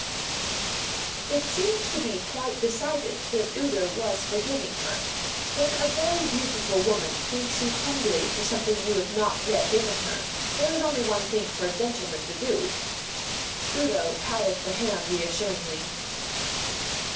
It seemed to be quite decided that Udo was forgiving her. When a very beautiful woman thanks you humbly for something you have not yet given her, there is only one thing for a gentleman to do. Udo patted her hand reassuringly.